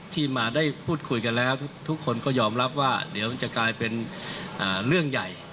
ที่มาได้พูดคุยกันแล้วทุกคนก็ยอมรับว่าเดี๋ยวมันจะกลายเป็นเรื่องใหญ่